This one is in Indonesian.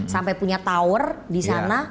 sampai punya tower di sana